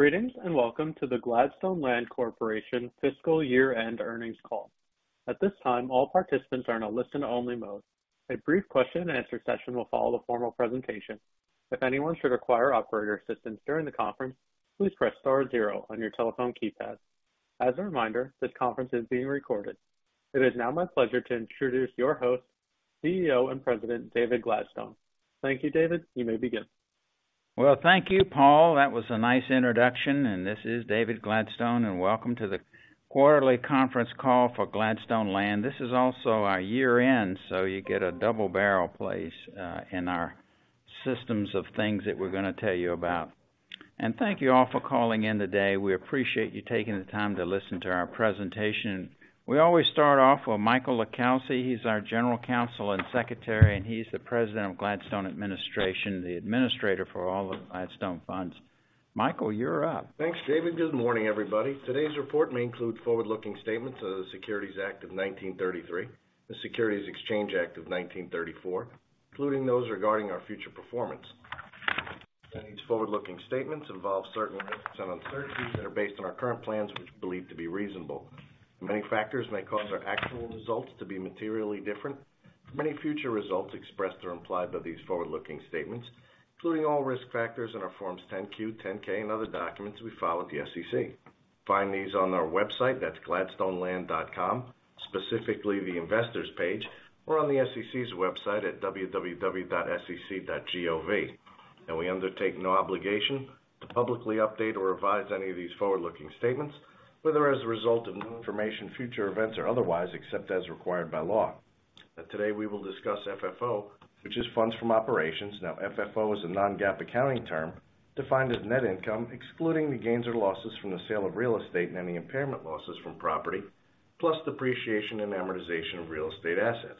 Greetings, and welcome to the Gladstone Land Corporation Fiscal Year-End Earnings Call. At this time, all participants are in a listen only mode. A brief Q&A session will follow the formal presentation. If anyone should require operator assistance during the conference, please press star 0 on your telephone keypad. As a reminder, this conference is being recorded. It is now my pleasure to introduce your host, CEO and President, David Gladstone. Thank you, David. You may begin. Well, thank you, Paul. That was a nice introduction. This is David Gladstone, and welcome to the quarterly conference call for Gladstone Land. This is also our year-end, so you get a double barrel place in our systems of things that we're going to tell you about. Thank you all for calling in today. We appreciate you taking the time to listen to our presentation. We always start off with Michael LiCalsi. He's our General Counsel and Secretary, and he's the President of Gladstone Administration, the administrator for all of Gladstone Funds. Michael, you're up. Thanks, David. Good morning, everybody. Today's report may include forward-looking statements of the Securities Act of 1933, the Securities Exchange Act of 1934, including those regarding our future performance. These forward-looking statements involve certain risks and uncertainties that are based on our current plans, which we believe to be reasonable. Many factors may cause our actual results to be materially different. Many future results expressed or implied by these forward-looking statements, including all risk factors in our Forms 10-Q, 10-K, and other documents we file with the SEC. Find these on our website, that's gladstoneland.com, specifically the investors page, or on the SEC's website at www.sec.gov. We undertake no obligation to publicly update or revise any of these forward-looking statements, whether as a result of new information, future events, or otherwise, except as required by law. Today we will discuss FFO, which is funds from operations. FFO is a non-GAAP accounting term defined as net income excluding the gains or losses from the sale of real estate and any impairment losses from property, plus depreciation and amortization of real estate assets.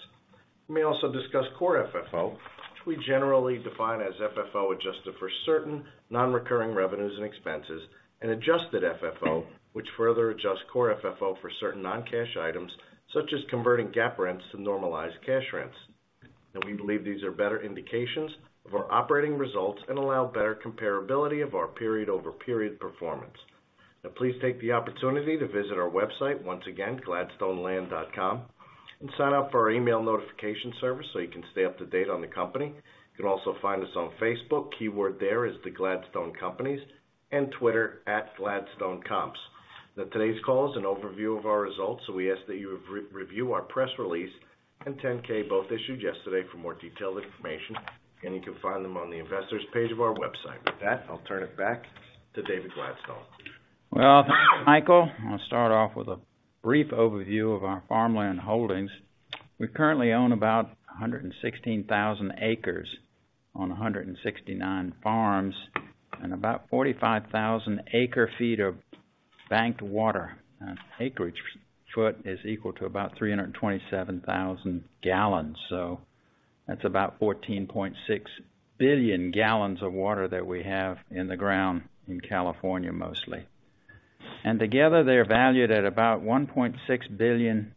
We may also discuss Core FFO, which we generally define as FFO, adjusted for certain non-recurring revenues and expenses, and adjusted FFO, which further adjusts Core FFO for certain non-cash items such as converting GAAP rents to normalized cash rents. We believe these are better indications of our operating results and allow better comparability of our period-over-period performance. Please take the opportunity to visit our website once again, gladstoneland.com, and sign up for our email notification service so you can stay up to date on the company. You can also find us on Facebook. Keyword there is The Gladstone Companies, and Twitter, @GladstoneComps. Today's call is an overview of our results. We ask that you review our press release and 10-K, both issued yesterday, for more detailed information. You can find them on the investors page of our website. With that, I'll turn it back to David Gladstone. Thank you, Michael. I'm gonna start off with a brief overview of our farmland holdings. We currently own about 116,000 acres on 169 farms and about 45,000 acre-feet of banked water. An acre-foot is equal to about 327,000 gallons, so that's about 14.6 billion gallons of water that we have in the ground in California mostly. Together, they're valued at about $1.6 billion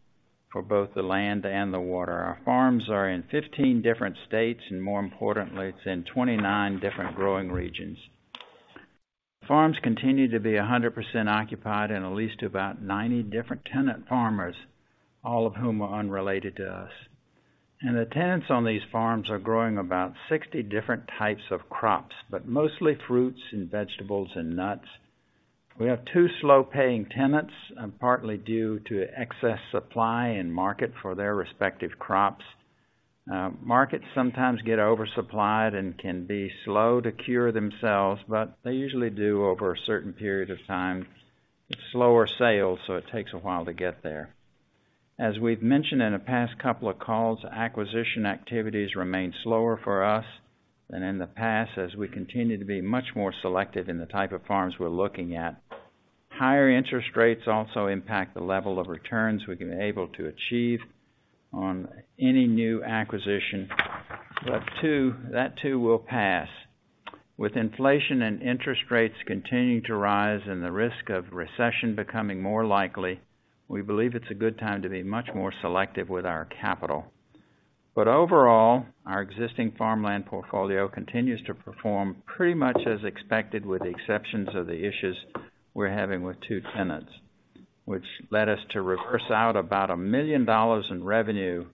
for both the land and the water. Our farms are in 15 different states, and more importantly, it's in 29 different growing regions. Farms continue to be 100% occupied and at least about 90 different tenant farmers, all of whom are unrelated to us. The tenants on these farms are growing about 60 different types of crops, but mostly fruits and vegetables and nuts. We have two slow-paying tenants, partly due to excess supply and market for their respective crops. Markets sometimes get over-supplied and can be slow to cure themselves, but they usually do over a certain period of time. It's slower sales, so it takes a while to get there. As we've mentioned in the past couple of calls, acquisition activities remain slower for us than in the past, as we continue to be much more selective in the type of farms we're looking at. Higher interest rates also impact the level of returns we've been able to achieve on any new acquisition, but that too will pass. With inflation and interest rates continuing to rise and the risk of recession becoming more likely, we believe it's a good time to be much more selective with our capital. Overall, our existing farmland portfolio continues to perform pretty much as expected, with the exceptions of the issues we're having with two tenants, which led us to reverse out about $1 million in revenue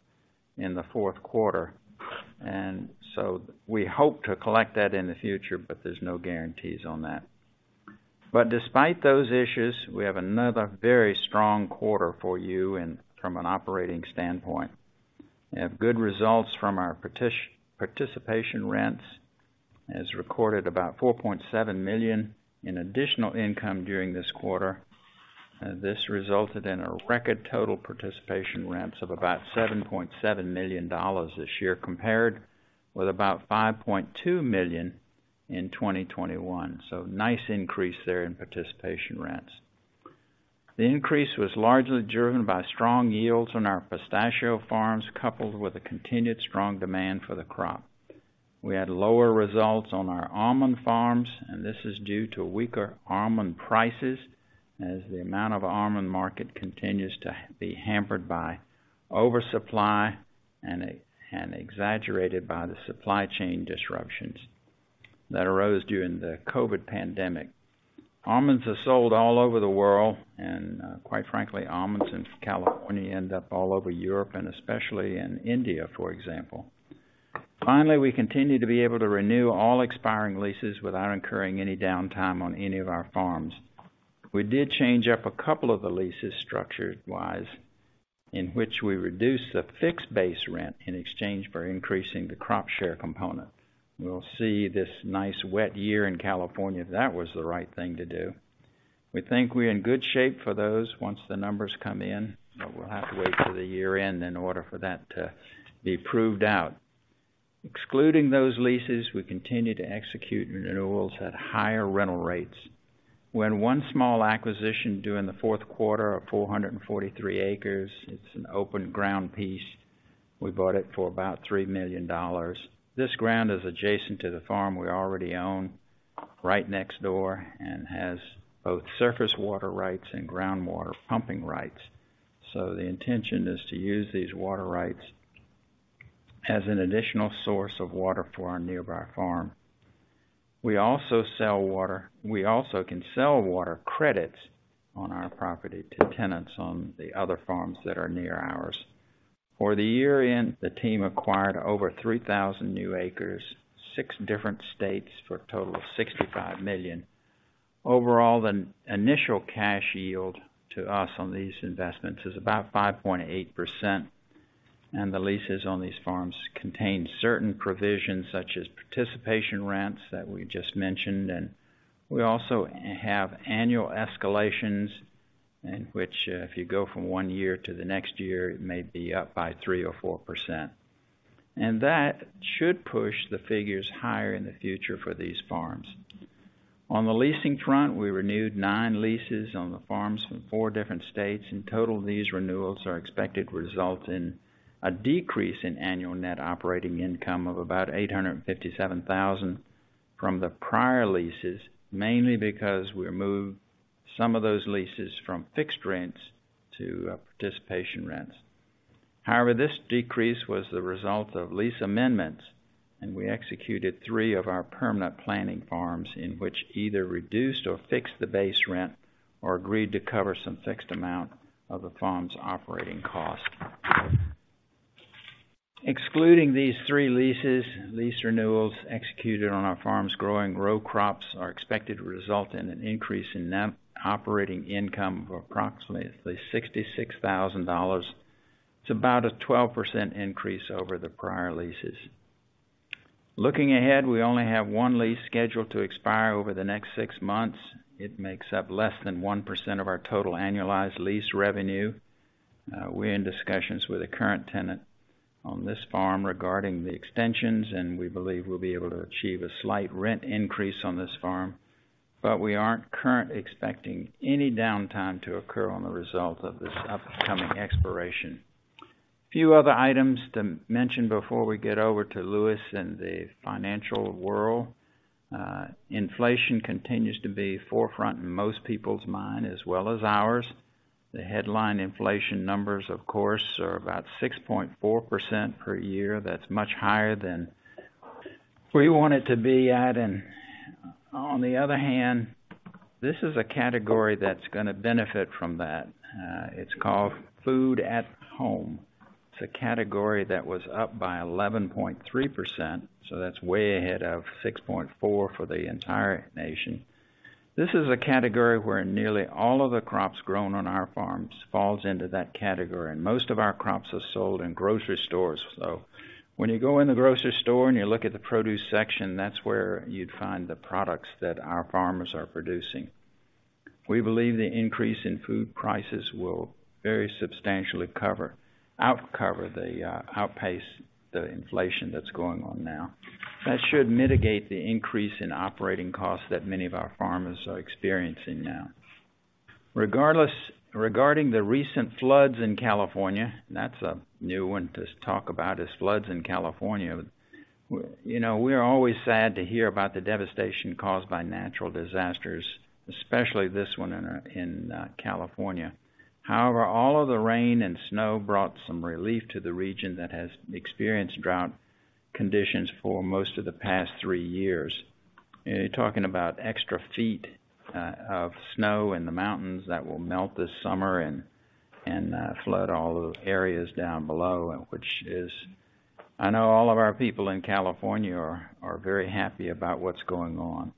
in the fourth quarter. We hope to collect that in the future, but there's no guarantees on that. Despite those issues, we have another very strong quarter for you, and from an operating standpoint. We have good results from our participation rents, as recorded about $4.7 million in additional income during this quarter. This resulted in a record total participation rents of about $7.7 million this year, compared with about $5.2 million in 2021. Nice increase there in participation rents. The increase was largely driven by strong yields on our pistachio farms, coupled with the continued strong demand for the crop. We had lower results on our almond farms, and this is due to weaker almond prices. As the amount of almond market continues to be hampered by oversupply and exaggerated by the supply chain disruptions that arose during the COVID pandemic. Almonds are sold all over the world, and, quite frankly, almonds in California end up all over Europe and especially in India, for example. Finally, we continue to be able to renew all expiring leases without incurring any downtime on any of our farms. We did change up a couple of the leases structure-wise, in which we reduced the fixed base rent in exchange for increasing the crop share component. We'll see this nice wet year in California, that was the right thing to do. We think we're in good shape for those once the numbers come in, but we'll have to wait till the year-end in order for that to be proved out. Excluding those leases, we continue to execute renewals at higher rental rates. When one small acquisition due in the fourth quarter of 443 acres, it's an open ground piece. We bought it for about $3 million. This ground is adjacent to the farm we already own right next door and has both surface water rights and groundwater pumping rights. The intention is to use these water rights as an additional source of water for our nearby farm. We also sell water. We also can sell water credits on our property to tenants on the other farms that are near ours. For the year-end, the team acquired over 3,000 new acres, six different states for a total of $65 million. Overall, the initial cash yield to us on these investments is about 5.8%, and the leases on these farms contain certain provisions such as participation rents that we just mentioned. We also have annual escalations in which, if you go from one year to the next year, it may be up by 3% or 4%. That should push the figures higher in the future for these farms. On the leasing front, we renewed nine leases on the farms from four different states. In total, these renewals are expected to result in a decrease in annual net operating income of about $857,000 from the prior leases, mainly because we moved some of those leases from fixed rents to participation rents. However, this decrease was the result of lease amendments. We executed three of our permanent planning farms in which either reduced or fixed the base rent or agreed to cover some fixed amount of the farm's operating cost. Excluding these three leases, lease renewals executed on our farms growing row crops are expected to result in an increase in net operating income of approximately $66,000. It's about a 12% increase over the prior leases. Looking ahead, we only have one lease scheduled to expire over the next six months. It makes up less than 1% of our total annualized lease revenue. We're in discussions with a current tenant on this farm regarding the extensions, and we believe we'll be able to achieve a slight rent increase on this farm, but we aren't currently expecting any downtime to occur on the result of this upcoming expiration. Few other items to mention before we get over to Lewis and the financial world. Inflation continues to be forefront in most people's mind as well as ours. The headline inflation numbers, of course, are about 6.4% per year. That's much higher than we want it to be at. On the other hand, this is a category that's gonna benefit from that. It's called food at home. It's a category that was up by 11.3%, so that's way ahead of 6.4 for the entire nation. This is a category where nearly all of the crops grown on our farms falls into that category, and most of our crops are sold in grocery stores. When you go in the grocery store and you look at the produce section, that's where you'd find the products that our farmers are producing. We believe the increase in food prices will very substantially outpace the inflation that's going on now. That should mitigate the increase in operating costs that many of our farmers are experiencing now. Regardless, regarding the recent floods in California, that's a new one to talk about, is floods in California. You know, we're always sad to hear about the devastation caused by natural disasters, especially this one in California. However, all of the rain and snow brought some relief to the region that has experienced drought conditions for most of the past three years. You're talking about extra feet of snow in the mountains that will melt this summer and flood all the areas down below, which is. I know all of our people in California are very happy about what's going on.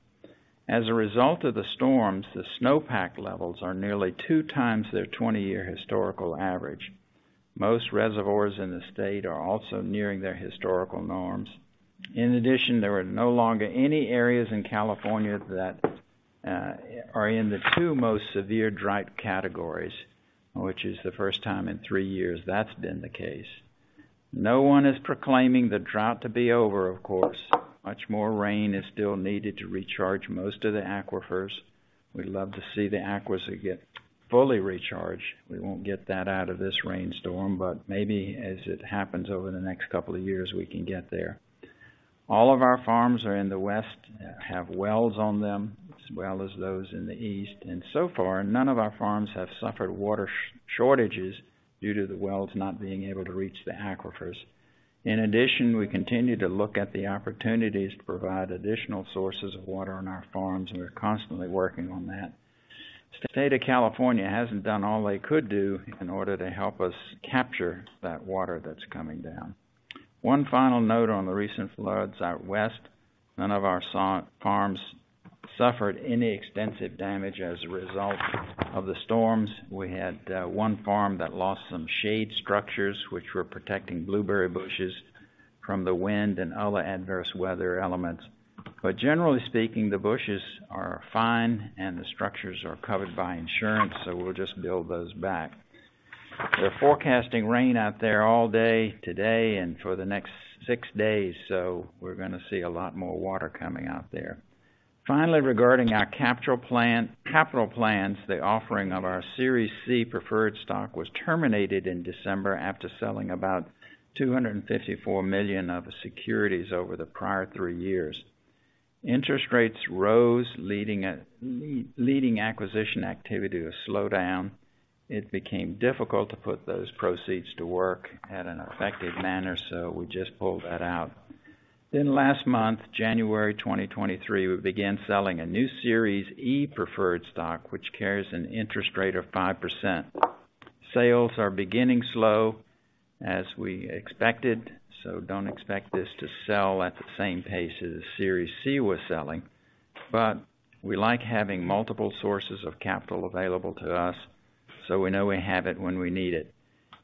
As a result of the storms, the snowpack levels are nearly 2x their 20-year historical average. Most reservoirs in the state are also nearing their historical norms. In addition, there are no longer any areas in California that are in the two most severe drought categories, which is the first time in three years that's been the case. No one is proclaiming the drought to be over, of course. Much more rain is still needed to recharge most of the aquifers. We'd love to see the aquifers get fully recharged. We won't get that out of this rainstorm, but maybe as it happens over the next couple of years, we can get there. All of our farms are in the west, have wells on them, as well as those in the east. And so far, none of our farms have suffered water shortages due to the wells not being able to reach the aquifers. In addition, we continue to look at the opportunities to provide additional sources of water on our farms, and we're constantly working on that. The state of California hasn't done all they could do in order to help us capture that water that's coming down. One final note on the recent floods out west. None of our farms suffered any extensive damage as a result of the storms. We had one farm that lost some shade structures which were protecting blueberry bushes from the wind and other adverse weather elements. Generally speaking, the bushes are fine and the structures are covered by insurance, so we'll just build those back. They're forecasting rain out there all day today and for the next six days, so we're gonna see a lot more water coming out there. Finally, regarding our capital plans, the offering of our Series C Preferred Stock was terminated in December after selling about $254 million of the securities over the prior three years. Interest rates rose, leading acquisition activity to slow down. It became difficult to put those proceeds to work at an effective manner, so we just pulled that out. Last month, January 2023, we began selling a new Series E preferred stock, which carries an interest rate of 5%. Sales are beginning slow, as we expected, so don't expect this to sell at the same pace as Series C was selling. We like having multiple sources of capital available to us, so we know we have it when we need it.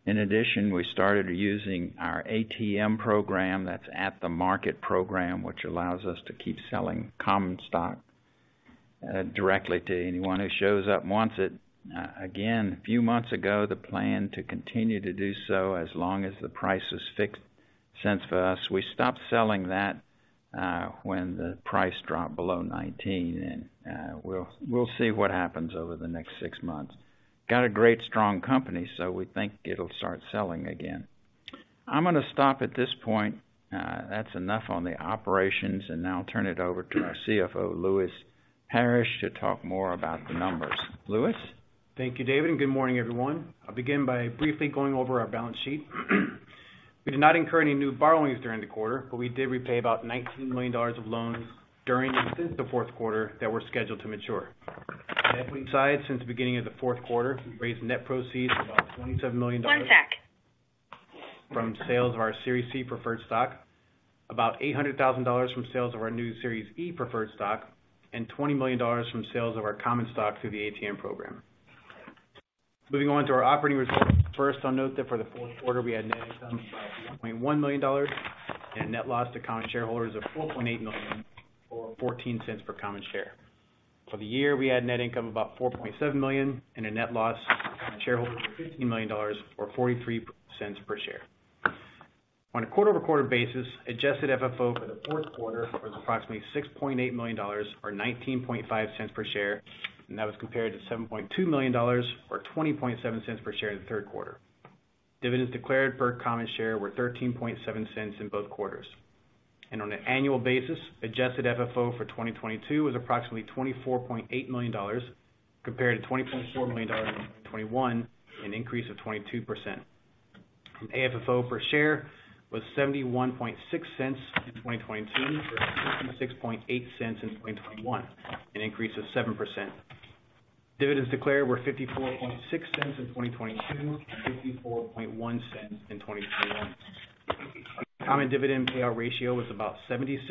In addition, we started using our ATM program that's at the market program, which allows us to keep selling common stock directly to anyone who shows up, wants it. Again, a few months ago, the plan to continue to do so as long as the price is fixed since for us, we stopped selling that when the price dropped below $19. We'll see what happens over the next six months. Got a great, strong company, so we think it'll start selling again. I'm gonna stop at this point. That's enough on the operations, and now I'll turn it over to our CFO, Lewis Parrish, to talk more about the numbers. Lewis? Thank you, David. Good morning, everyone. I'll begin by briefly going over our balance sheet. We did not incur any new borrowings during the quarter. We did repay about $19 million of loans during and since the fourth quarter that were scheduled to mature. Netwing side, since the beginning of the fourth quarter, we raised net proceeds of about $27 million. One sec. From sales of our Series C preferred stock, about $800,000 from sales of our new Series E preferred stock, and $20 million from sales of our common stock through the ATM program. Moving on to our operating results. First, I'll note that for the fourth quarter, we had net income of about $0.1 million and a net loss to common shareholders of $4.8 million, or $0.14 per common share. For the year, we had net income of about $4.7 million and a net loss to common shareholders of $15 million, or $0.43 per share. On a quarter-over-quarter basis, adjusted FFO for the fourth quarter was approximately $0.608 million or $0.195 per share, and that was compared to $7.2 million or $0.207 per share in the third quarter. Dividends declared per common share were $0.137 in both quarters. On an annual basis, adjusted FFO for 2022 was approximately $24.8 million compared to $20.4 million in 2021, an increase of 22%. AFFO per share was $0.716 in 2022 versus $6.8 in 2021, an increase of 7%. Dividends declared were $0.546 in 2022 and $54.1 in 2021. Our common dividend payout ratio was about 76%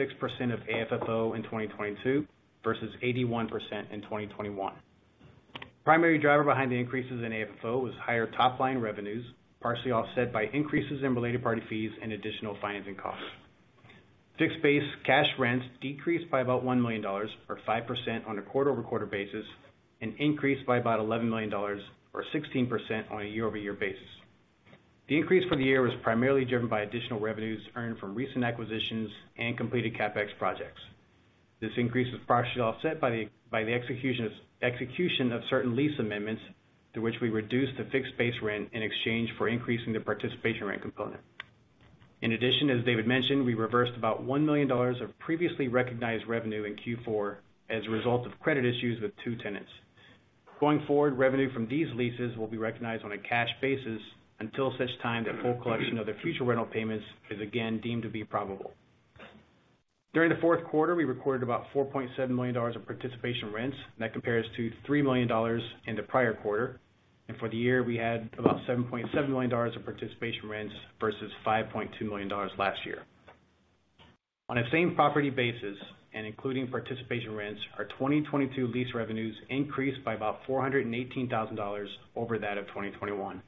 of AFFO in 2022 versus 81% in 2021. Primary driver behind the increases in AFFO was higher top-line revenues, partially offset by increases in related party fees and additional financing costs. Fixed-base cash rents decreased by about $1 million or 5% on a quarter-over-quarter basis and increased by about $11 million or 16% on a year-over-year basis. The increase for the year was primarily driven by additional revenues earned from recent acquisitions and completed CapEx projects. This increase was partially offset by the execution of certain lease amendments through which we reduced the fixed-base rent in exchange for increasing the participation rent component. In addition, as David mentioned, we reversed about $1 million of previously recognized revenue in Q4 as a result of credit issues with two tenants. Going forward, revenue from these leases will be recognized on a cash basis until such time the full collection of their future rental payments is again deemed to be probable. During the fourth quarter, we recorded about $4.7 million of participation rents. That compares to $3 million in the prior quarter. For the year, we had about $7.7 million of participation rents versus $5.2 million last year. On a same property basis and including participation rents, our 2022 lease revenues increased by about $418,000 over that of 2021.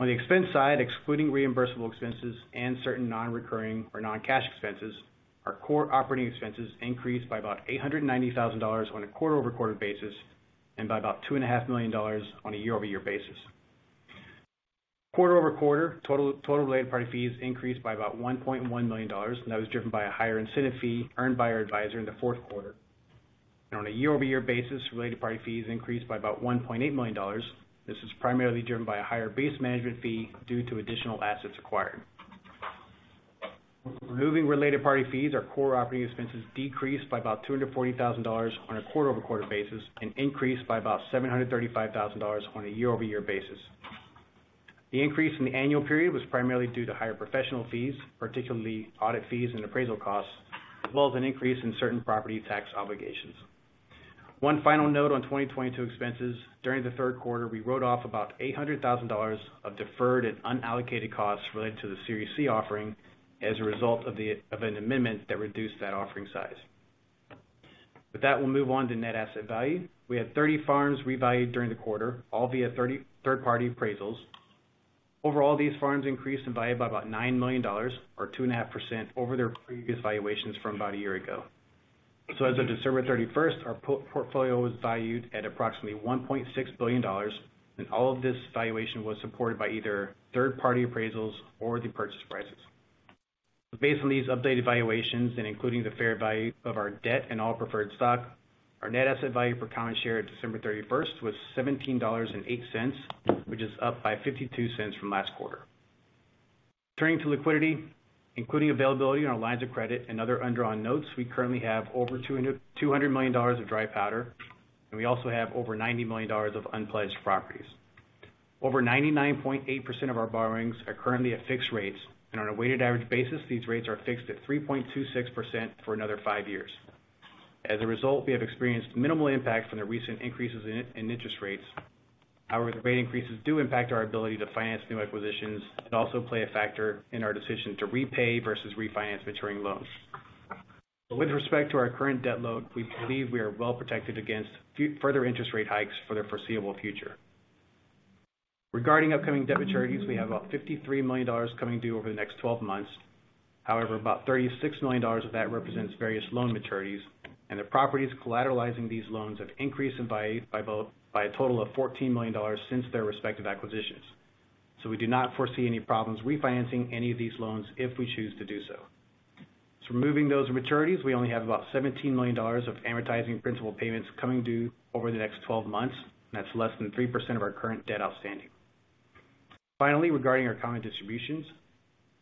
On the expense side, excluding reimbursable expenses and certain non-recurring or non-cash expenses, our core operating expenses increased by about $890,000 on a quarter-over-quarter basis and by about $2.5 million on a year-over-year basis. Quarter-over-quarter, total related party fees increased by about $1.1 million. That was driven by a higher incentive fee earned by our advisor in the fourth quarter. On a year-over-year basis, related party fees increased by about $1.8 million. This is primarily driven by a higher base management fee due to additional assets acquired. Removing related party fees, our core operating expenses decreased by about $240,000 on a quarter-over-quarter basis and increased by about $735,000 on a year-over-year basis. The increase in the annual period was primarily due to higher professional fees, particularly audit fees and appraisal costs, as well as an increase in certain property tax obligations. One final note on 2022 expenses. During the third quarter, we wrote off about $800,000 of deferred and unallocated costs related to the Series C offering as a result of an amendment that reduced that offering size. With that, we'll move on to Net Asset Value. We had 30 farms revalued during the quarter, all via third-party appraisals. Overall, these farms increased in value by about $9 million or 2.5% over their previous valuations from about a year ago. As of December 31st, our portfolio was valued at approximately $1.6 billion, and all of this valuation was supported by either third-party appraisals or the purchase prices. Based on these updated valuations, including the fair value of our debt and all preferred stock, our Net Asset Value per common share at December 31st was $17.08, which is up by $0.52 from last quarter. Turning to liquidity, including availability on our lines of credit and other undrawn notes, we currently have over $200 million of dry powder, and we also have over $90 million of unpledged properties. Over 99.8% of our borrowings are currently at fixed rates, on a weighted average basis, these rates are fixed at 3.26% for another five years. As a result, we have experienced minimal impact from the recent increases in interest rates. The rate increases do impact our ability to finance new acquisitions and also play a factor in our decision to repay versus refinance maturing loans. With respect to our current debt load, we believe we are well protected against further interest rate hikes for the foreseeable future. Regarding upcoming debt maturities, we have about $53 million coming due over the next 12 months. About $36 million of that represents various loan maturities, and the properties collateralizing these loans have increased in value by a total of $14 million since their respective acquisitions. We do not foresee any problems refinancing any of these loans if we choose to do so. Removing those maturities, we only have about $17 million of amortizing principal payments coming due over the next 12 months. That's less than 3% of our current debt outstanding. Finally, regarding our common distributions,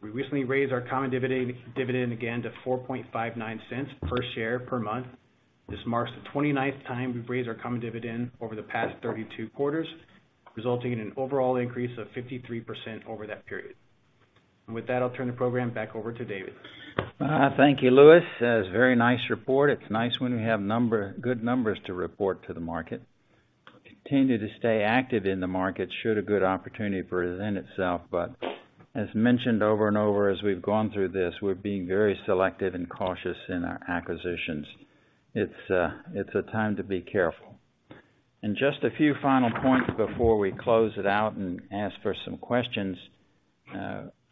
we recently raised our common dividend again to $0.0459 per share per month. This marks the 29th time we've raised our common dividend over the past 32 quarters, resulting in an overall increase of 53% over that period. With that, I'll turn the program back over to David. Thank you, Lewis. That was a very nice report. It's nice when we have good numbers to report to the market. Continue to stay active in the market should a good opportunity present itself, but as mentioned over and over as we've gone through this, we're being very selective and cautious in our acquisitions. It's a time to be careful. Just a few final points before we close it out and ask for some questions.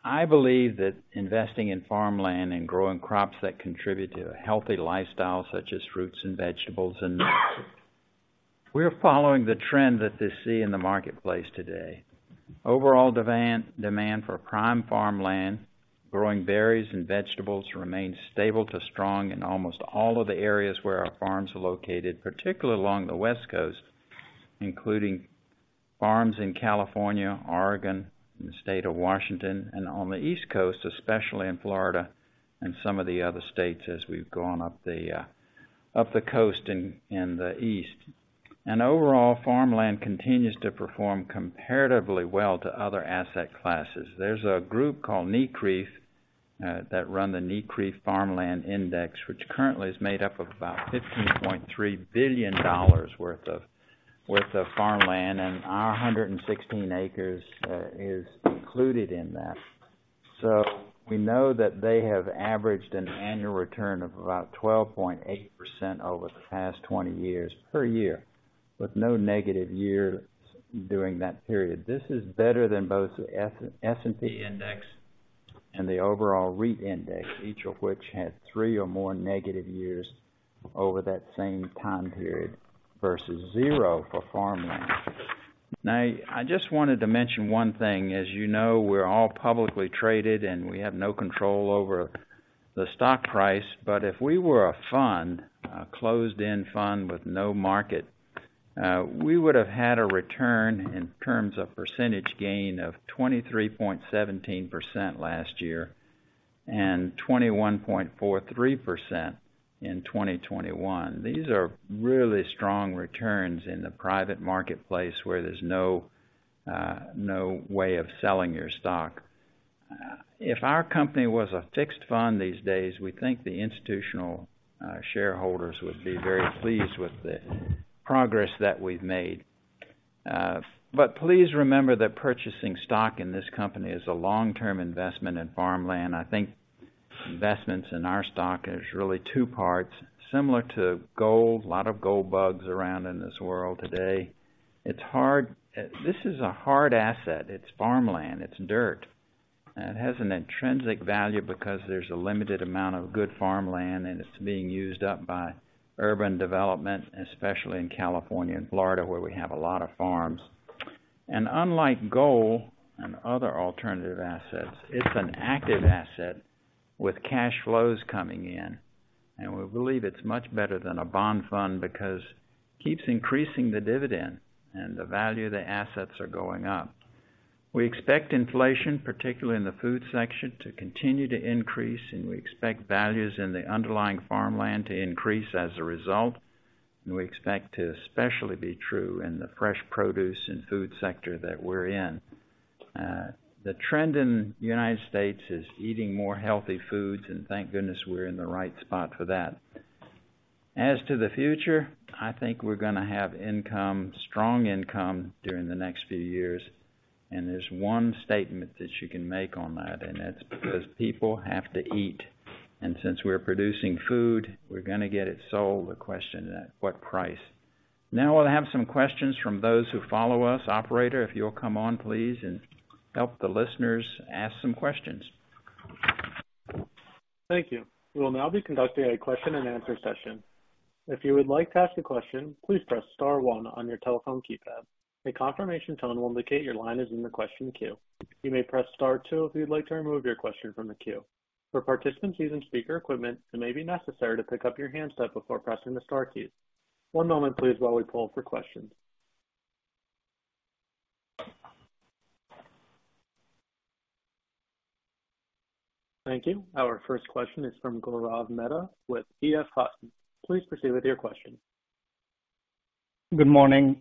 I believe that investing in farmland and growing crops that contribute to a healthy lifestyle, such as fruits and vegetables and nuts, we're following the trend that they see in the marketplace today. Overall demand for prime farmland, growing berries and vegetables remains stable to strong in almost all of the areas where our farms are located, particularly along the West Coast, including farms in California, Oregon, and the state of Washington, and on the East Coast, especially in Florida and some of the other states as we've gone up the coast in the east. Overall, farmland continues to perform comparatively well to other asset classes. There's a group called NCREIF that run the NCREIF Farmland Index, which currently is made up of about $15.3 billion worth of farmland, and our 116 acres is included in that. We know that they have averaged an annual return of about 12.8% over the past 20 years per year, with no negative years during that period. This is better than both the S&P index and the overall REIT index, each of which had hree or more negative years over that same time period versus 0 for farmland. I just wanted to mention one thing. As you know, we're all publicly traded, and we have no control over the stock price. If we were a fund, a closed-end fund with no market, we would have had a return in terms of percentage gain of 23.17% last year and 21.43% in 2021. These are really strong returns in the private marketplace where there's no way of selling your stock. If our company was a fixed fund these days, we think the institutional shareholders would be very pleased with the progress that we've made. Please remember that purchasing stock in this company is a long-term investment in farmland. I think investments in our stock is really two parts, similar to gold, a lot of gold bugs around in this world today. This is a hard asset. It's farmland. It's dirt. It has an intrinsic value because there's a limited amount of good farmland, and it's being used up by urban development, especially in California and Florida, where we have a lot of farms. Unlike gold and other alternative assets, it's an active asset with cash flows coming in. We believe it's much better than a bond fund because keeps increasing the dividend and the value of the assets are going up. We expect inflation, particularly in the food section, to continue to increase, and we expect values in the underlying farmland to increase as a result. We expect to especially be true in the fresh produce and food sector that we're in. The trend in United States is eating more healthy foods, and thank goodness we're in the right spot for that. As to the future, I think we're gonna have income, strong income during the next few years. There's one statement that you can make on that, and that's because people have to eat. Since we're producing food, we're gonna get it sold. The question is at what price. Now I'll have some questions from those who follow us. Operator, if you'll come on, please, and help the listeners ask some questions. Thank you. We will now be conducting a question and answer session. If you would like to ask a question, please press star one on your telephone keypad. A confirmation tone will indicate your line is in the question queue. You may press Star two if you'd like to remove your question from the queue. For participants using speaker equipment, it may be necessary to pick up your handset before pressing the star keys. One moment please while we pull for questions. Thank you. Our first question is from Gaurav Mehta with EF Hutton. Please proceed with your question. Good morning.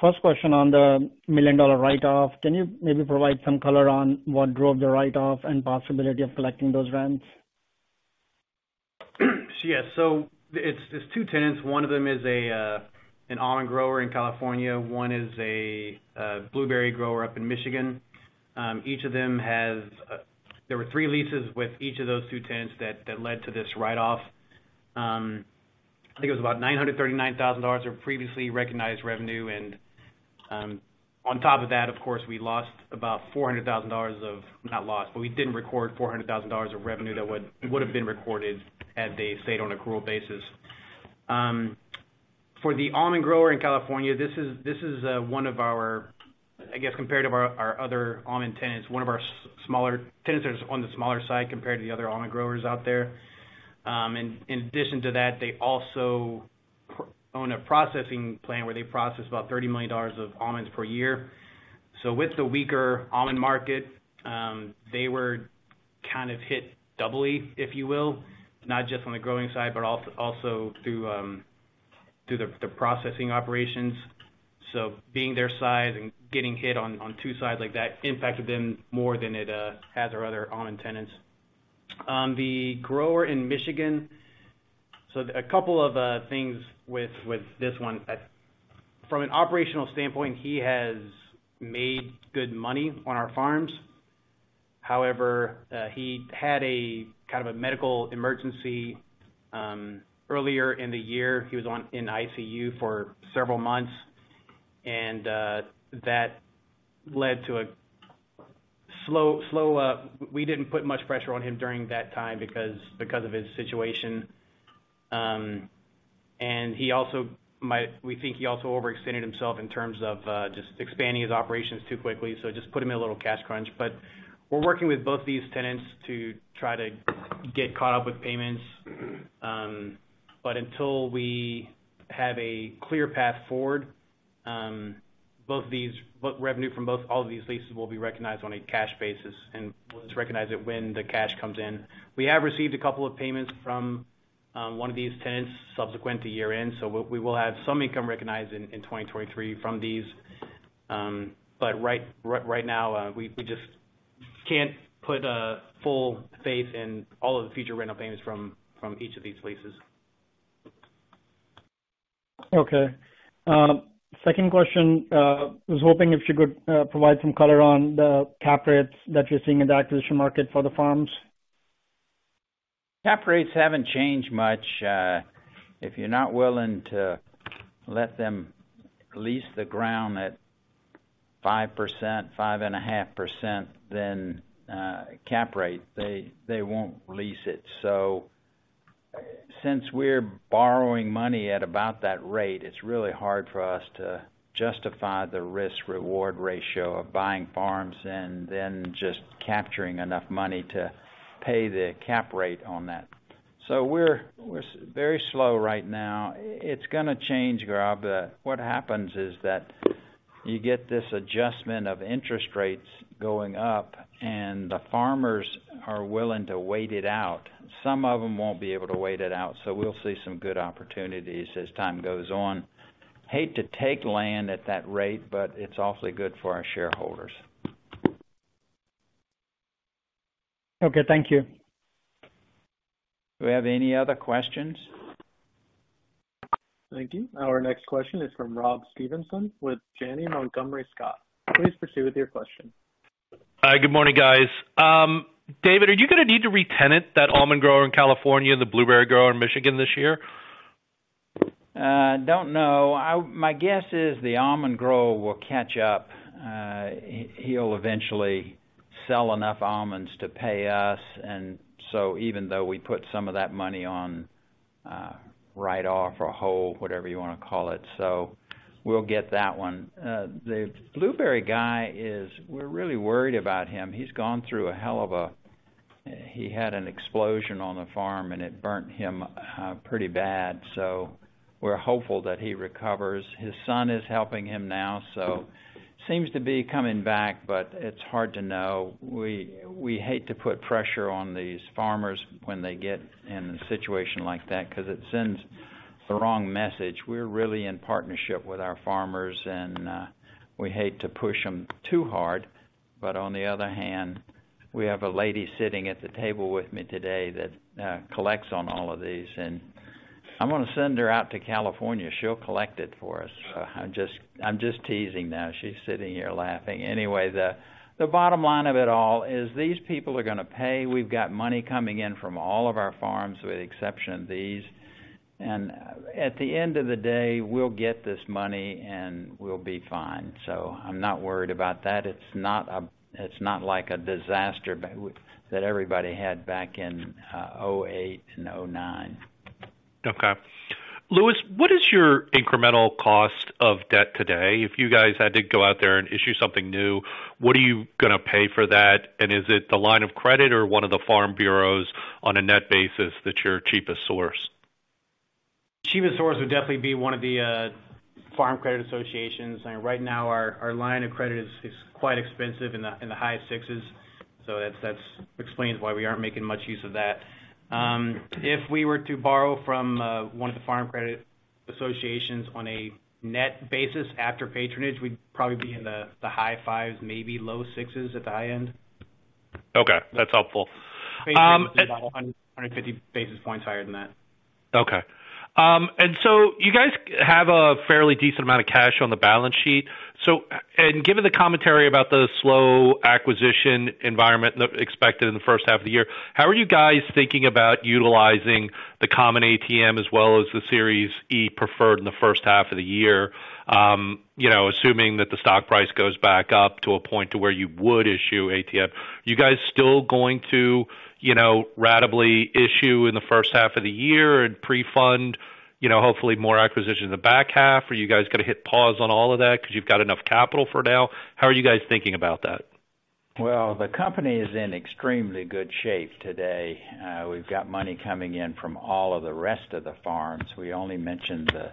First question on the $1 million write-off. Can you maybe provide some color on what drove the write-off and possibility of collecting those rents? Yes. It's two tenants. One of them is an almond grower in California, one is a blueberry grower up in Michigan. Each of them has. There were three leases with each of those two tenants that led to this write-off. I think it was about $939,000 of previously recognized revenue. On top of that, of course, we lost about $400,000 of. Not lost, but we didn't record $400,000 of revenue that would've been recorded at a state on accrual basis. For the almond grower in California, this is one of our, I guess compared to our other almond tenants, one of our smaller. Tenants that are on the smaller side compared to the other almond growers out there. In addition to that, they also own a processing plant where they process about $30 million of almonds per year. With the weaker almond market, they were kind of hit doubly, if you will, not just on the growing side, but also through the processing operations. Being their size and getting hit on two sides like that impacted them more than it has our other almond tenants. The grower in Michigan, a couple of things with this one. From an operational standpoint, he has made good money on our farms. However, he had a kind of a medical emergency earlier in the year. He was in ICU for several months, that led to a slow... We didn't put much pressure on him during that time because of his situation. And he also might we think he also overextended himself in terms of just expanding his operations too quickly. Just put him in a little cash crunch. We're working with both these tenants to try to get caught up with payments. Until we have a clear path forward, both revenue from all of these leases will be recognized on a cash basis, and we will just recognize it when the cash comes in. We have received a couple of payments from one of these tenants subsequent to year-end, so we will have some income recognized in 2023 from these. Right now, we just can't put a full faith in all of the future rental payments from each of these leases. Okay. Second question. Was hoping if you could provide some color on the cap rates that you're seeing in the acquisition market for the farms. Cap rates haven't changed much. If you're not willing to let them lease the ground at 5%, 5.5%, then cap rate, they won't lease it. Since we're borrowing money at about that rate, it's really hard for us to justify the risk-reward ratio of buying farms and then just capturing enough money to pay the cap rate on that. We're very slow right now. It's gonna change, Gaurav. What happens is that you get this adjustment of interest rates going up, and the farmers are willing to wait it out. Some of them won't be able to wait it out, so we'll see some good opportunities as time goes on. Hate to take land at that rate, but it's awfully good for our shareholders. Okay. Thank you. Do we have any other questions? Thank you. Our next question is from Robert Stevenson with Janney Montgomery Scott. Please proceed with your question. Hi. Good morning, guys. David, are you gonna need to retenant that almond grower in California and the blueberry grower in Michigan this year? Don't know. My guess is the almond grower will catch up. He, he'll eventually sell enough almonds to pay us. Even though we put some of that money on, write-off or hold, whatever you wanna call it, so we'll get that one. The blueberry guy we're really worried about him. He's gone through a hell of a. He had an explosion on the farm, and it burnt him pretty bad. We're hopeful that he recovers. His son is helping him now, so seems to be coming back, but it's hard to know. We hate to put pressure on these farmers when they get in a situation like that because it sends the wrong message. We're really in partnership with our farmers. We hate to push them too hard. But on the other hand, we have a lady sitting at the table with me today that collects on all of these, and I'm gonna send her out to California. She'll collect it for us. I'm just teasing now. She's sitting here laughing. The bottom line of it all is these people are gonna pay. We've got money coming in from all of our farms with the exception of these. At the end of the day, we'll get this money and we'll be fine. I'm not worried about that. It's not like a disaster that everybody had back in 2008 and 2009. Okay. Lewis, what is your incremental cost of debt today? If you guys had to go out there and issue something new, what are you gonna pay for that? Is it the line of credit or one of the Farm Credit associations on a net basis that's your cheapest source? Cheapest source would definitely be one of the Farm Credit associations. Right now, our line of credit is quite expensive in the high 6s. That explains why we aren't making much use of that. If we were to borrow from one of the Farm Credit associations on a net basis after patronage, we'd probably be in the high 5s, maybe low 6s at the high end. Okay, that's helpful. About 150 basis points higher than that. Okay. You guys have a fairly decent amount of cash on the balance sheet. Given the commentary about the slow acquisition environment expected in the first half of the year, how are you guys thinking about utilizing the common ATM as well as the Series E preferred in the first half of the year? You know, assuming that the stock price goes back up to a point to where you would issue ATM. You guys still going to, you know, ratably issue in the first half of the year and pre-fund, you know, hopefully more acquisitions in the back half? Are you guys gonna hit pause on all of that because you've got enough capital for now? How are you guys thinking about that? Well, the company is in extremely good shape today. We've got money coming in from all of the rest of the farms. We only mentioned the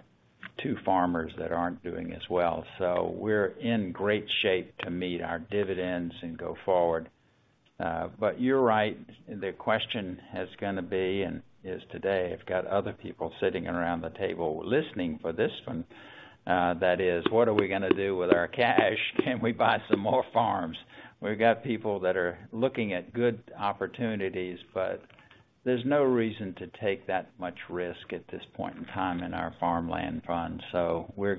two farmers that aren't doing as well. We're in great shape to meet our dividends and go forward. You're right. The question is gonna be, and is today, I've got other people sitting around the table listening for this one, that is, what are we gonna do with our cash? Can we buy some more farms? We've got people that are looking at good opportunities, but there's no reason to take that much risk at this point in time in our farmland fund. We're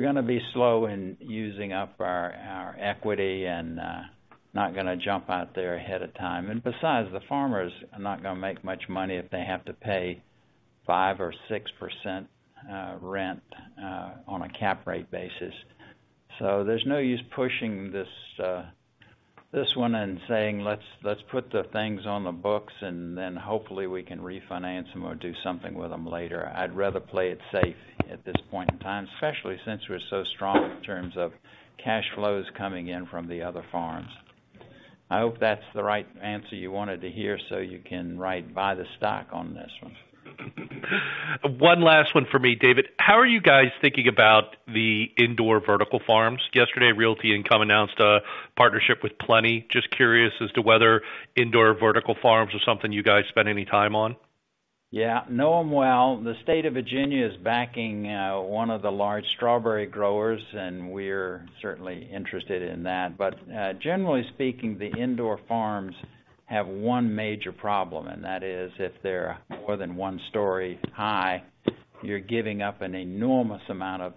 gonna be slow in using up our equity and not gonna jump out there ahead of time. Besides, the farmers are not gonna make much money if they have to pay 5% or 6% rent on a cap rate basis. There's no use pushing this one and saying, "Let's put the things on the books, and then hopefully we can refinance them or do something with them later." I'd rather play it safe at this point in time, especially since we're so strong in terms of cash flows coming in from the other farms. I hope that's the right answer you wanted to hear so you can write, "Buy the stock," on this one. One last one for me, David. How are you guys thinking about the indoor vertical farms? Yesterday, Realty Income announced a partnership with Plenty. Just curious as to whether indoor vertical farms are something you guys spend any time on. Yeah, know them well. The State of Virginia is backing one of the large strawberry growers, and we're certainly interested in that. Generally speaking, the indoor farms have one major problem, and that is if they're more than one story high, you're giving up an enormous amount of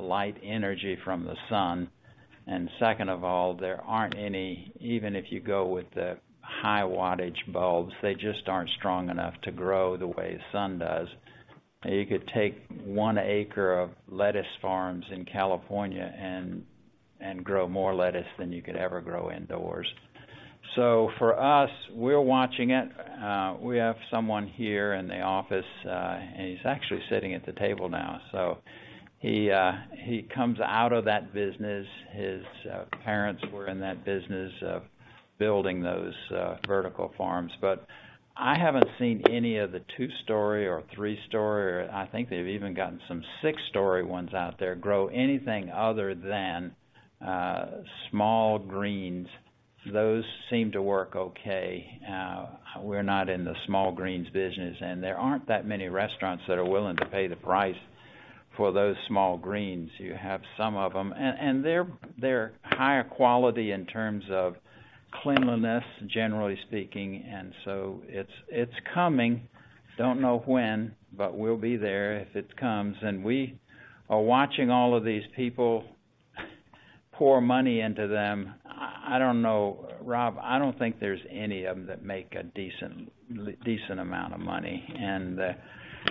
light energy from the sun. Second of all, there aren't any. Even if you go with the high wattage bulbs, they just aren't strong enough to grow the way sun does. You could take one acre of lettuce farms in California and grow more lettuce than you could ever grow indoors. For us, we're watching it. We have someone here in the office. And he's actually sitting at the table now. He comes out of that business. His parents were in that business of building those vertical farms. I haven't seen any of the two-story or three-story, or I think they've even gotten some six-story ones out there, grow anything other than small greens. Those seem to work okay. We're not in the small greens business, and there aren't that many restaurants that are willing to pay the price for those small greens. You have some of them. And they're higher quality in terms of cleanliness, generally speaking. It's coming. Don't know when, but we'll be there if it comes. We are watching all of these people pour money into them. I don't know. Rob, I don't think there's any of them that make a decent amount of money. The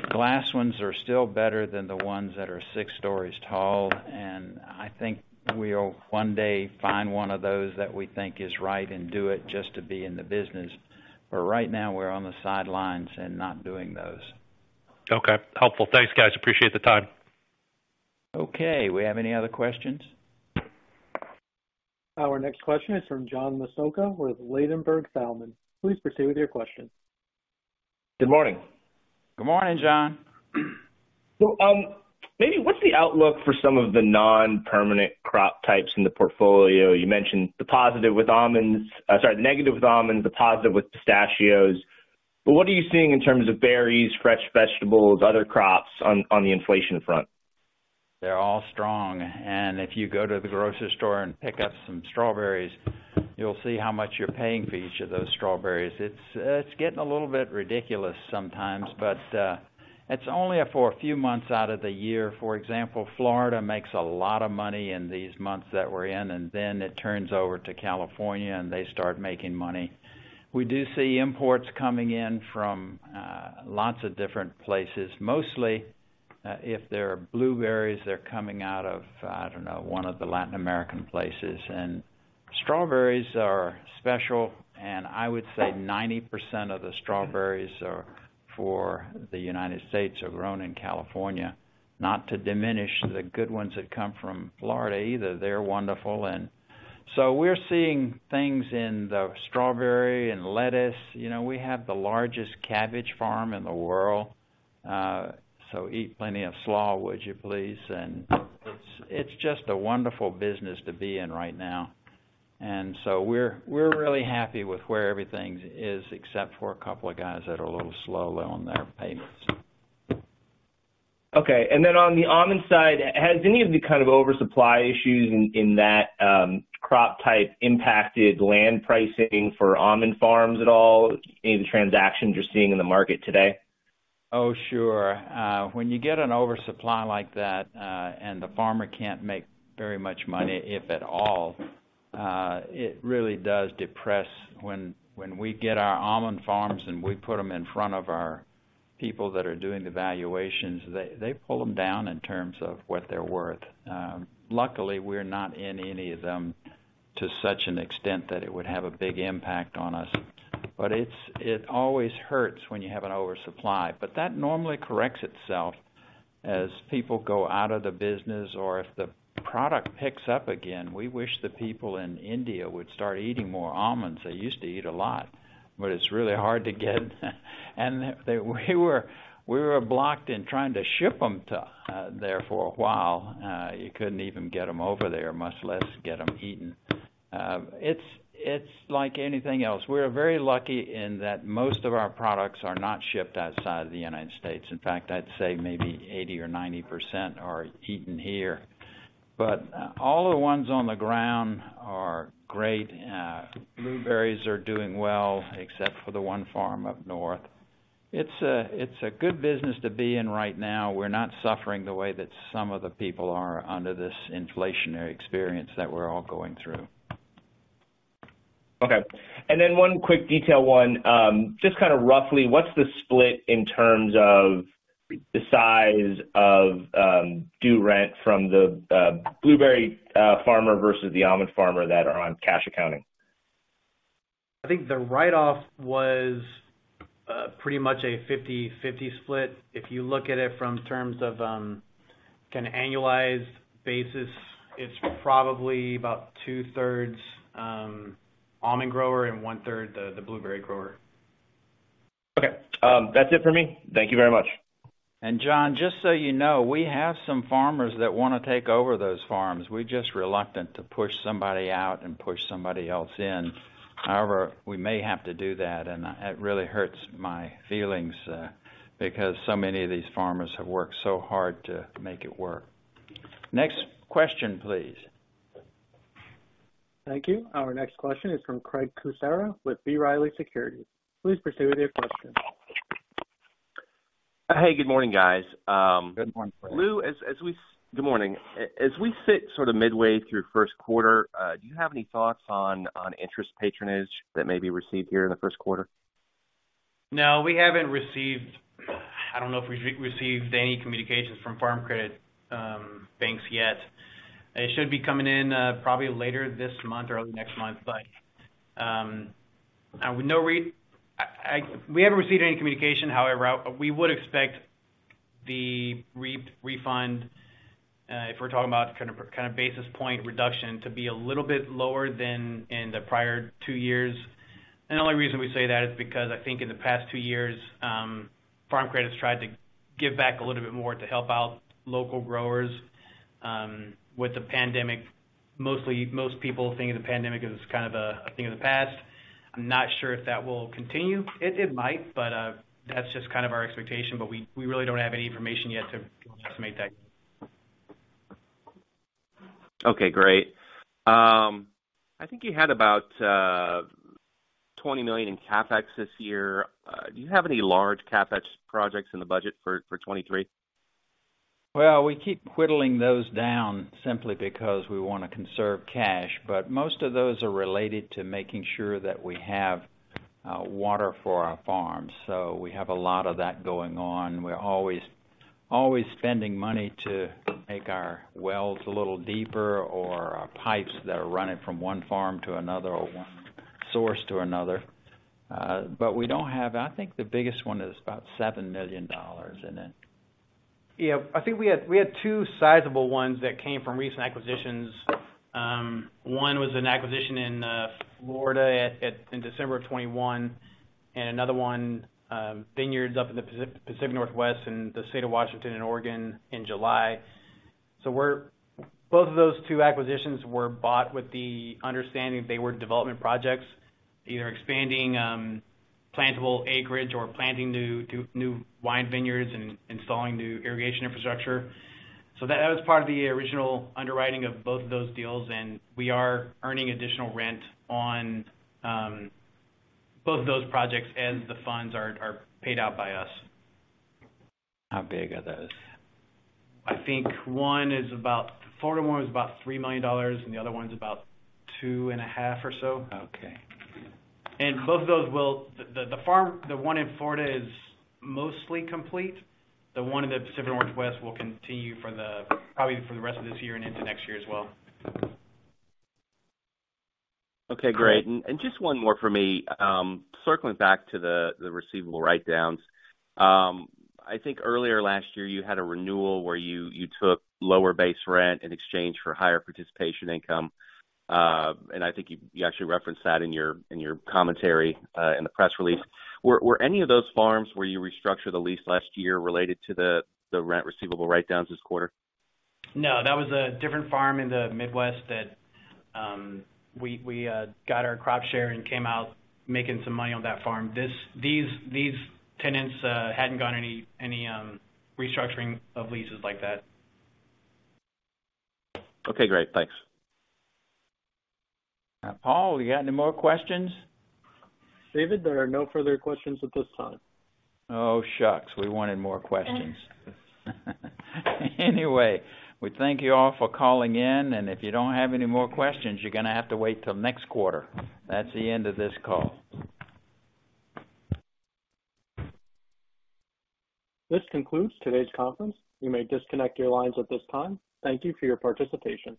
glass ones are still better than the ones that are six stories tall. I think we'll one day find one of those that we think is right and do it just to be in the business. Right now, we're on the sidelines and not doing those. Okay, helpful. Thanks, guys. Appreciate the time. Okay. We have any other questions? Our next question is from John Massocca with Ladenburg Thalmann. Please proceed with your question. Good morning. Good morning, John. Maybe what's the outlook for some of the non-permanent crop types in the portfolio? You mentioned the positive with almonds. Sorry, the negative with almonds, the positive with pistachios. What are you seeing in terms of berries, fresh vegetables, other crops on the inflation front? They're all strong. If you go to the grocery store and pick up some strawberries, you'll see how much you're paying for each of those strawberries. It's getting a little bit ridiculous sometimes, but it's only for a few months out of the year. For example, Florida makes a lot of money in these months that we're in, then it turns over to California, and they start making money. We do see imports coming in from lots of different places. Mostly, if they're blueberries, they're coming out of, I don't know, one of the Latin American places. Strawberries are special, and I would say 90% of the strawberries for the United States are grown in California. Not to diminish the good ones that come from Florida either. They're wonderful. We're seeing things in the strawberry and lettuce. You know, we have the largest cabbage farm in the world. Eat plenty of slaw, would you, please? It's just a wonderful business to be in right now. We're really happy with where everything is except for a couple of guys that are a little slow on their payments. Okay. On the almond side, has any of the kind of oversupply issues in that crop type impacted land pricing for almond farms at all? Any of the transactions you're seeing in the market today? Oh, sure. When you get an oversupply like that, and the farmer can't make very much money, if at all, it really does depress. When we get our almond farms and we put them in front of our people that are doing the valuations, they pull them down in terms of what they're worth. Luckily, we're not in any of them to such an extent that it would have a big impact on us. It always hurts when you have an oversupply. That normally corrects itself as people go out of the business or if the product picks up again. We wish the people in India would start eating more almonds. They used to eat a lot, but it's really hard to get. We were blocked in trying to ship them there for a while. You couldn't even get them over there, much less get them eaten. It's like anything else. We're very lucky in that most of our products are not shipped outside of the United States. In fact, I'd say maybe 80% or 90% are eaten here. All the ones on the ground are great. Blueberries are doing well except for the one farm up north. It's a good business to be in right now. We're not suffering the way that some of the people are under this inflationary experience that we're all going through. Okay. One quick detail, one. Just roughly, what's the split in terms of the size of due rent from the blueberry farmer versus the almond farmer that are on cash accounting? I think the write-off was, pretty much a 50/50 split. If you look at it from terms of an annualized basis, it's probably about 2/3 almond grower and 1/3 the blueberry grower. Okay. That's it for me. Thank you very much. John, just so you know, we have some farmers that wanna take over those farms. We're just reluctant to push somebody out and push somebody else in. However, we may have to do that, and it really hurts my feelings, because so many of these farmers have worked so hard to make it work. Next question, please. Thank you. Our next question is from Craig Kucera with B. Riley Securities. Please proceed with your question. Hey, good morning, guys. Good morning, Craig. Lewis, Good morning. As we sit sort of midway through first quarter, do you have any thoughts on interest patronage that may be received here in the first quarter? I don't know if we've received any communications from Farm Credit banks yet. It should be coming in probably later this month or early next month. With no we haven't received any communication. However, we would expect the refund, if we're talking about kind of basis point reduction to be a little bit lower than in the prior two years. The only reason we say that is because I think in the past two years, Farm Credit's tried to give back a little bit more to help out local growers with the pandemic. Mostly, most people think of the pandemic as kind of a thing of the past. I'm not sure if that will continue. It might, that's just kind of our expectation. We really don't have any information yet to estimate that. Okay, great. I think you had about $20 million in CapEx this year. Do you have any large CapEx projects in the budget for 2023? We keep whittling those down simply because we wanna conserve cash. Most of those are related to making sure that we have water for our farms. We have a lot of that going on. We're always spending money to make our wells a little deeper or our pipes that are running from one farm to another or one source to another. I think the biggest one is about $7 million in it. Yeah. I think we had two sizable ones that came from recent acquisitions. One was an acquisition in Florida in December of 2021, and another one, vineyards up in the Pacific Northwest in the state of Washington and Oregon in July. Both of those two acquisitions were bought with the understanding that they were development projects, either expanding plantable acreage or planting new wine vineyards and installing new irrigation infrastructure. That was part of the original underwriting of both of those deals, and we are earning additional rent on both of those projects as the funds are paid out by us. How big are those? The Florida one is about $3 million, and the other one's about $2.5 or so. Okay. Yeah. Both of those. The farm, the one in Florida is mostly complete. The one in the Pacific Northwest will continue for the, probably for the rest of this year and into next year as well. Okay, great. Just one more for me. Circling back to the receivable write-downs. I think earlier last year you took lower base rent in exchange for higher participation income. I think you actually referenced that in your commentary in the press release. Were any of those farms where you restructured the lease last year related to the rent receivable write-downs this quarter? No, that was a different farm in the Midwest that we got our crop share and came out making some money on that farm. These tenants hadn't gone any restructuring of leases like that. Okay, great. Thanks. Paul, you got any more questions? David, there are no further questions at this time. Oh, shucks, we wanted more questions. Anyway, we thank you all for calling in, and if you don't have any more questions, you're gonna have to wait till next quarter. That's the end of this call. This concludes today's conference. You may disconnect your lines at this time. Thank you for your participation.